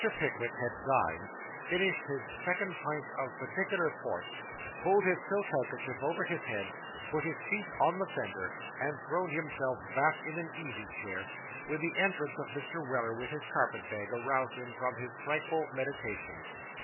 Pickwick had dined, finished his second pint of particular port, pulled his silk handkerchief over his head, put his feet on the fender, and thrown himself back in an easy chair, when the entrance of Mr. Weller with his carpet bag, aroused him from his tranquil meditation.